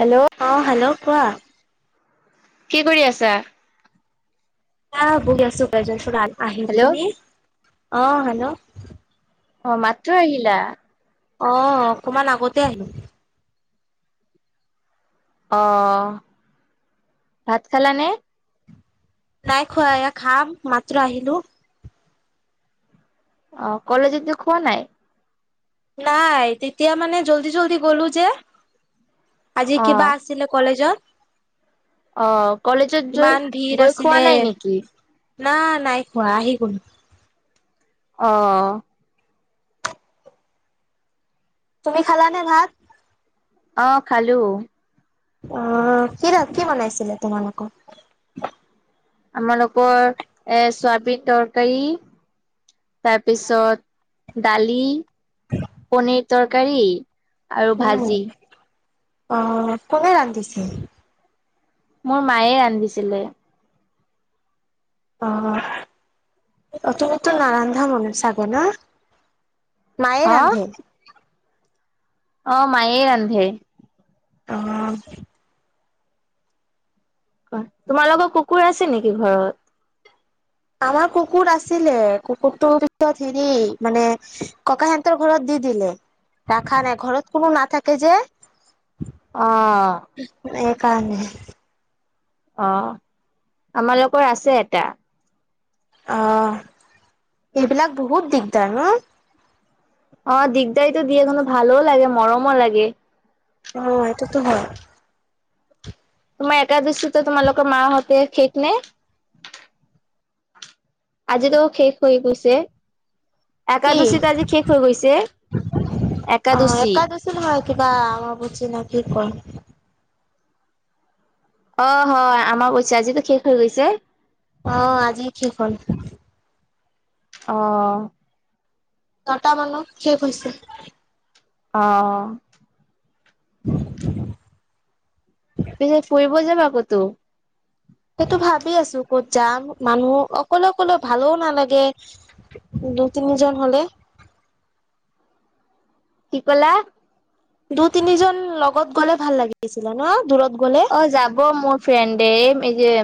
Hello অ hello. কোৱা? কি কৰি আছা? আ বহি আছো আহি। হেল্ল' তুমি? অ হেল্ল'। অ মাত টো আহিলা। অ' অকমান আগতে আহিলো। অ' ভাত খালা নে? নাই খোৱা এয়া খাম মাত্ৰ আহিলো। অ' কলেজেতো খোৱা নাই? নাই তেতিয়া মানে জল্দি-জল্দি গ'লো যে। আজি অ কিবা আছিলে কলেজত? অ' কলেজৰ ইমান ভিৰ গৈ খোৱা আছিলে নাই নেকি? না নাই খোৱা, আহি কোন। অ। তুমি খালা নে ভাত? অ' খালো। আহ কি কি বনাইছিলে তোমালোকৰ? আমালোকৰ এ চোৱাবিন তৰকাৰী। তাৰপিছত দালি। পনীৰ তৰকাৰী আৰু ভাজি। আহ' কোনে ৰান্ধিছিল? মোৰ মায়ে ৰান্ধিছিলে। অ' তুমি তো নাৰান্ধা মনে চাগ ন? মায়ে অ ৰান্ধে। অ' মায়ে ৰান্ধে। অ। অ' তোমাৰ লোকৰ কুকুৰ আছে নেকি ঘৰত? আমাৰ কুকুৰ আছিলে, কুকুৰটোৰ পিছত হেৰি মানে ককাহতৰ ঘৰত দি- দিলে, ৰাখা নাই ঘৰত কোনো নাথাকে যে। অ'। কানে অ' আমালোকৰ আছে এটা। অ' এইবিলাক বহুত দিগদাৰ ন? অ' দিগদাৰিটো দিয়ে, ভালো লাগে মৰমো লাগে। অ' এটোতো হয়। তোমাৰ এটা দশিত তোমালোকৰ মাহঁতে [unintelligible] আজিটো শেষ হৈ গৈছে। কি একাদশীতো আজি শেষ হৈ গৈছে। অ' একাদশী মই কিবা [unintelligible] বুজি নে কি কয়? অ' হয়। আমাৰ কৈছে আজিতো শেষ হৈ গৈছে। অ' আজি শেষ হ'ল। অ'। দহটা মানত শেষ হৈছে। অ'। [inaudible] পিছে ফুৰিব যাবা ক'তো সেইটো ভাবি আছো ক'ত যাম! মানুহ অকলে অকলে ভালো নালাগে। দু-তিনিজন হ'লে [inaudible] কি ক'লা? দুই, তিনিজন লগত গ'লে ভাল লাগিছিলে ন? দূৰত গ'লে অ' যাব মোৰ ফ্ৰেণ্ডে। এই যে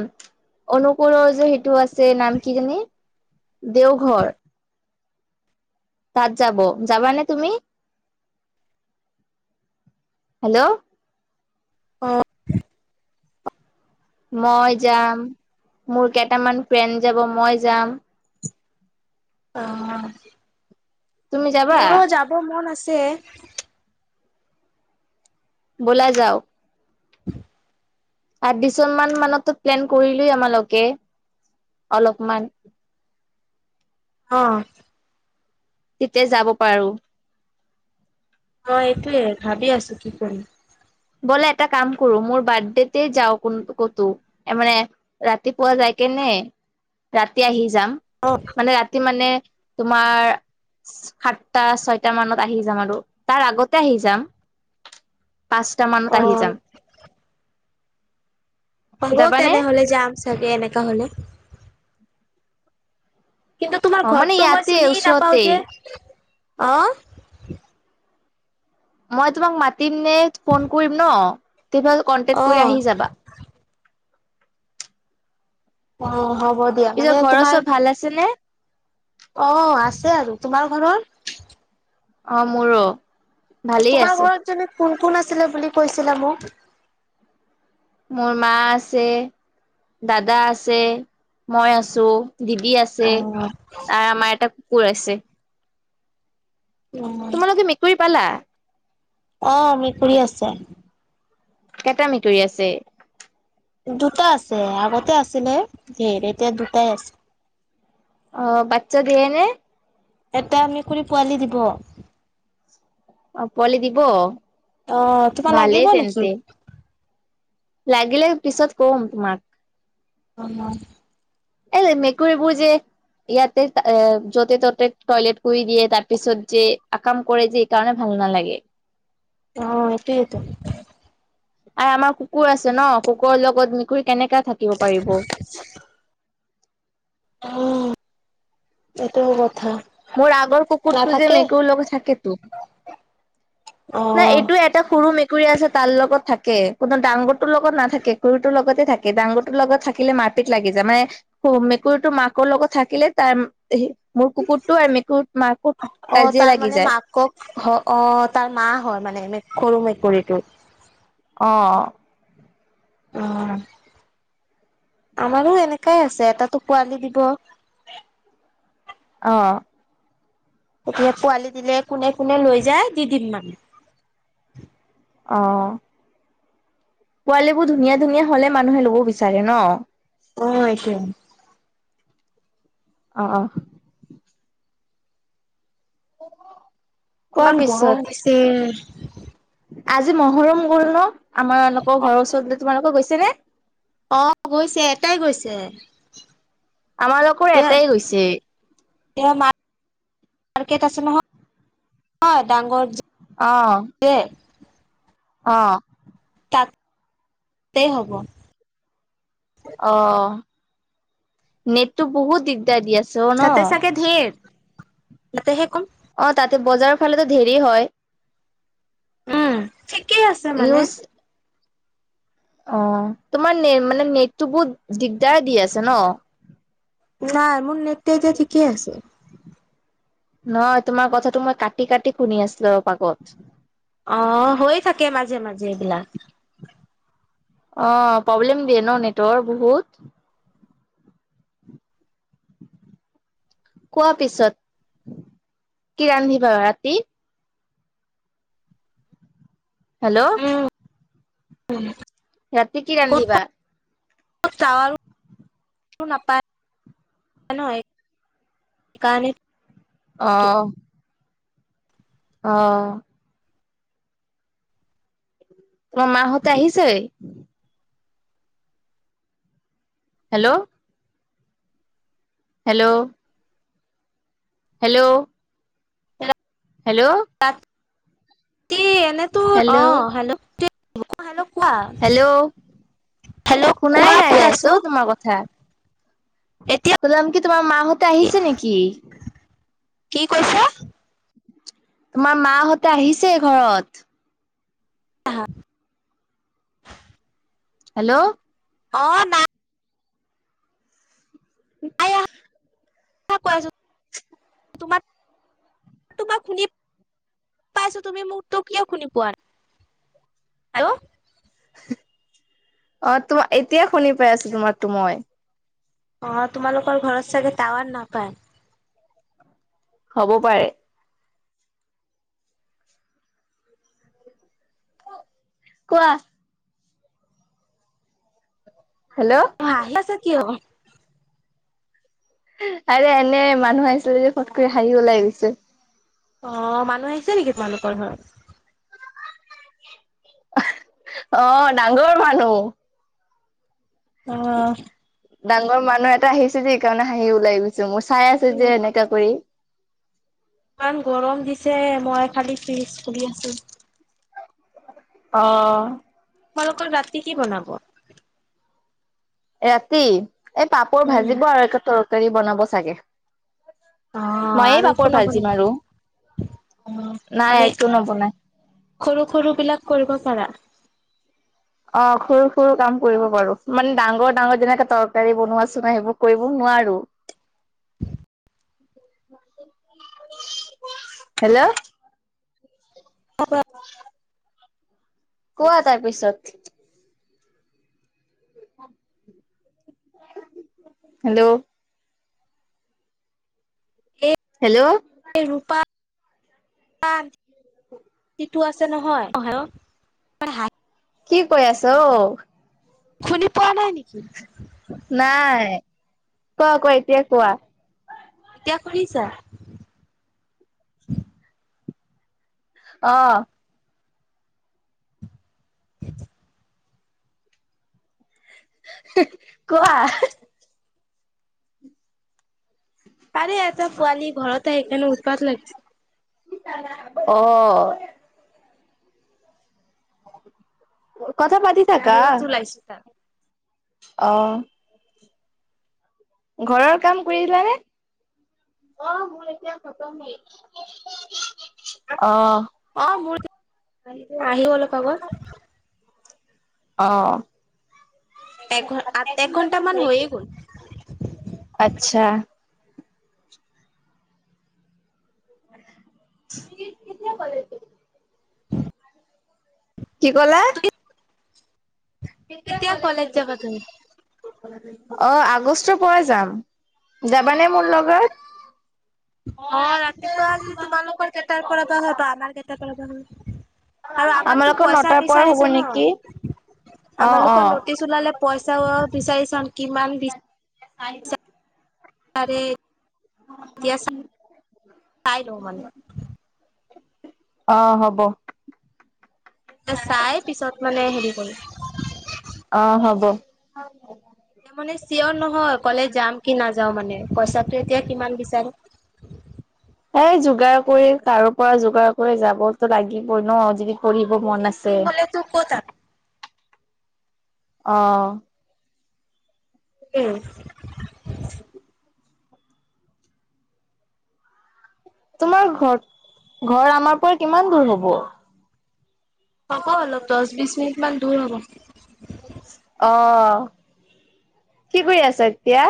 অনুকলৰ যে সেইটো আছে। যে নাম কিজানি? দেওঘৰ তাত যাব, যাবানে তুমি? হেল্ল'। অ'। মই যাম মোৰ কেইটামান ফ্ৰেণ্ড যাব। মই যাম। অ' তুমি যাবা মোৰো যাব মন আছে। বোলা যাওক। [unintelligible] মান মানতো প্লেন কৰিলো আমালোকে অলপমান অ'। তেতিয়া যাব পাৰো। অ' এইটোৱে। ভাবি আছো কি কৰিম? ব'লা এটা কাম কৰো। মোৰ বাৰ্থডেতে যাও, ক-ক'তো মানে ৰাতিপুৱা যাই কেনে ৰাতি আহি যাম। অ মানে ৰাতি মানে তোমাৰ সাতটা-ছয়টামানত আহি যাম আৰু। তাৰ আগতে আহি যাম। পাঁচটামানত অ আহি যাম। হ'ব যাবানে তেনেহ'লে যাম চাগে। এনেকা হ'লে কিন্তু তোমাৰ অ মানে ঘৰটো মই ইয়াতে চিনিয়ে নাপাওঁ ওচৰতেই যে। অ মই তোমাক মাতিম নে ফোন কৰিম ন? তেতিয়াহ'লে কন্টেক্ট অ কৰি আহি যাবা। অ' হ'ব দিয়া। পিছত মানে ঘৰৰ চব তোমাৰ ভাল আছে নে? অ' আছে আৰু। তোমাৰ ঘৰৰ অ' মোৰো ভালেই তোমাৰ আছে ঘৰত যে কোন কোন আছিলে বুলি কৈছিলা মোক? মোৰ মা আছে, দাদা আছে, মই আছোঁ। দিদি আছে। অ আৰু আমাৰ এটা কুকুৰ আছে। উম। তোমালোকে মেকুৰী পালা? অহ, মেকুৰী আছে। কেইটা মেকুৰী আছে? দুটা আছে। আগতে আছিলে ধেৰ। এতিয়া দুটাই আছে। অ বাচ্ছা দিয়েনে? এটা মেকুৰী পোৱালি দিব। অ পোৱালি দিব? অ তোমাৰ ভালেই লাগিব নেকি? তেন্তে লাগিলে পিছত কম তোমাক। অ। এ মেকুৰীবোৰ যে ইয়াতে য'তে ত'তে টয়লেট কৰি দিয়ে। তাৰ পিছত যে আকাম কৰে যে এই কাৰণে ভাল নালাগে। অ এইটোৱেটো। অ, আমাৰ কুকুৰ আছে ন? কুকুৰৰ লগত মেকুৰী কেনেকা থাকিব পাৰিব? উ, এইটোও কথা। মোৰ আগৰ কুকুৰটো যে নাথাকে মেকুৰী লগত থাকেটো। অ নাই এইটো এটা সৰু মে কুৰী আছে তাৰ লগত থাকে। তোমাৰ ডাঙৰটোৰ লগত নাথাকে, সৰুটোৰ লগতে থাকে। ডাঙৰটোৰ লগত থাকিলে মা মাৰ পিট লাগি যায়। মানে মেকুৰীটো মাকৰ লগত থাকিলে তাৰ হেৰি কুকুৰটো এ মেকু অ তাৰ মানে মাকক, অ তাৰ মা হয় মানে মেকুৰী কুৰীটো অ। অ। আমাৰো এনেকাই আছে। এটাতো পোৱালি দিব। অ। তেতিয়া পোৱালি দিলে কোনে কোনে লৈ যায় দি দিম মানে। অ। পোৱালিবোৰ ধুনীয়া ধুনীয়া হলে মানুহে লব বিচাৰে ন। অ এটোয়েই। অ-অ। [unintelligible] কোৱা ইমান গৰম পিছত। দিছিল আজি মহৰম গ'ল ন? আমাৰ এওঁলোকৰ ঘৰৰ ওচৰত, তোমালোকৰ গৈছে নে? অ গৈছে, এটাই গৈছে। আমাৰ লোকৰ এটাই গৈছে। তেওঁ মাৰ্কেট আছে নহয়। হয় ডাঙৰ অ', যে অ। তাতে হ'ব। অ নেটটো বহুত দিগদাৰ দি আছে। অ' ন। তাতে চাগে ধেৰ। তাতে সে কম অ তাতে বজাৰৰ ফালেতো ধেৰি হয়। উম ঠিকেই আছে মানে। নিউজ অ তোমাৰ নে মানে নেটটো বহুত দিগদাৰ দি আছে ন? নাই মোৰ নেট এতিয়া ঠিকেই আছে। নহয় তোমাৰ কথাটো মই কাটি কাটি শুনি আছিলো অলপ আগত। অ হয় থাকে মাজে মাজে এইবিলাক। অ প্ৰব্লেম দিয়ে ন নেটৰ বহুত কোৱা পিছত কি ৰান্ধিবা ৰাতি? হেল্ল' উম ৰাতি কি ৰান্ধিবা? চাউল নাপায় নহয় সেইকাৰণে অ অ তোমাৰ মাহঁতে আহিছেই হেল্ল' হেল্ল' হেল্ল' হেল্ল' এনে তোৰ অ হেল্ল', হেল্লে হেল্ল' হেল্ল' কোৱা শুনাই নাই কৈ গাইছ আছো তোমাৰ কথা এতিয়া সলাম কি তোমাৰ মাহঁতে আহিছে নেকি কি কৈছ? তোমাৰ মাহঁতে আহিছে ঘৰত? [unintelligible] হেল্ল' অ নাই উ আহা কৈ আছো তোমাৰ তোমাৰ শুনা পাইছো তুমি মোৰত কিয় শুনি পোৱা নাই‌‌? আৰু অ তোমাৰ এতিয়া শুনি পাই আছো তোমাৰটো মই। অ তোমালোকৰ ঘৰত চাগে টাৱাৰ নাপায় হ'ব পাৰে কোৱা হেল্ল', হাঁহি আছা কিয়? আৰে এনে মানুহ আহিছিলে যে পত কৈ হাঁহি ওলাই গৈছে অ মানুহ আহিছে নেকি তোমালোকৰ ঘৰত? অ ডাঙৰ মানুহ আহ ডাঙৰ মানুহ এটা আহিছে যে সেইকাৰণে হাঁহি‌ ওলাই গৈছে মোৰ চাই আছো অ যে এনেকা কৰি ইমান গৰম দিছে মই খালি ফ্ৰিজ খুলি আছো। অ তোমালোকৰ ৰাতি কি বনাব? ৰাতি এ পাপৰ উম ভাজিব আৰু একো তৰকাৰী বনাব চাগে, অ ময়ে আৰু একো পাপৰ নবনাই ভাজিম আৰু অ নাই মানে একো নবনাই সৰু সৰু বিলাক কৰিব পাৰা, অ সৰু সৰু কাম কৰিব পাৰো মানে ডাঙৰ ডাঙৰ যেনেকে তৰকাৰী বনোৱাচোন সেইবোৰ কৰিব নোৱাৰো, [inaudible] হেল্ল' [unintelligible] কোৱা তাৰ পিছত, হেল্ল' হেল্ল'। এক ৰূপা সেইটো আছে নহয় আহি কি কৈ আছ অঔ। শুনি পোৱা নাই নেকি। নাই কোৱা কোৱা এতিয়া কোৱা। কিবা কৰিছা। অ। [unintelligible] ওহ হে‌ কোৱা এ হে। আৰে এটা পোৱালি ঘৰতে আহি কিনে উৎপাত লাগিছে। অ। কথা পাতি থাকা বাহিৰত ওলাইছো তাৰ অহ। ঘৰৰ কাম কৰিলা নে। অ মোৰ এতিয়া খতমেই। অহ। অ মোৰ আহি অলপ আগত অহ। এক এক ঘণ্টা মান হৈয় গ'ল। আচ্ছা।। কেতিয়া ক'লে তো। কি ক'লা। [unintelligible] কেতিয়া কলেজ যাবা কলো। অ আগষ্টৰ পৰা যাম যাবানে মোৰ লগত। অ ৰাতিপুৱা যদি তোমালোকৰ কেইটাৰ পৰা বা হয় বা আমাৰ কেইটাৰ পৰা বা হয়। আৰু আমাকতো আমালোকৰ পইচা নটাৰ পৰা হ'ব বিচাৰিছে ন। নেকি? অ' আমালোকৰ অ' নটিচ ওলালে পইচাও বিচাৰি চাম কিমান। চাই। আৰে এতিয়া চাই লওঁ মান। অ হব। চাই পিছত মানে হেৰি কৰি। অ হব। এতিয়া মানে চিঅৰ নহয় কলেছশজ যাম কি নাযাও মানে পইচাটো এতিয়া কিমান বিচাৰে। এ যোগাৰ কৰি কাৰো পৰা যোগাৰ কৰি যাবতো লাগিবই ন যদি। কৰিব মন বেছি আছে। হ'লেতো ক'ত আৰু অ। উম। উম। তোমাৰ ঘৰ ঘৰ আমাৰ পৰা কিমান দূৰ হব। হ'ব অলপ দহ বিশ মিনিট মান দূৰ হ'ব। অ কি কৰি আছ এতিয়া।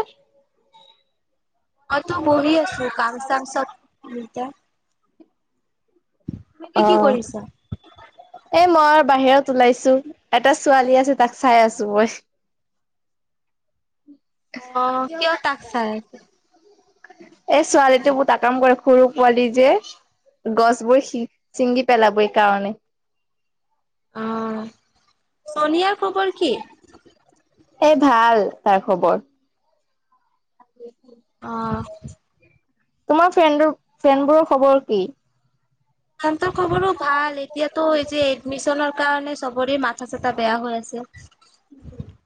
মই তো বহি আছোঁ কাম চাম চব কৰি এতিয়া। তুমি অ কি কৰিছা? এ মই বাহিৰত। ওলাইছোঁ এটা ছোৱালী আছে তাক চাই আছোঁ মই। অ কিয় তাক চাই আছা। এ ছোৱালীটো বহুত আকাম কৰে সৰু পোৱালি যে। গছবোৰ সি ছিঙি পেলাবই এই কাৰণে। অহ চোনিয়াৰ খবৰ কি? এ ভাল তাৰ খবৰ। অ'হ। তোমাৰ ফ্ৰেণ্ড ফ্ৰেণ্ডবোৰৰ খবৰ কি। ফ্ৰিণ্ড খবৰো ভাল এতিয়াতো এই যে এডমিশনৰ কাৰণে চবৰে মাথা চাথা বেয়া হৈ আছে। উ [unintelligible] উ [unintelligible]